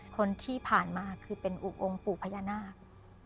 คนที่ผ่านมาคือเป็นองค์ปู่พญานาค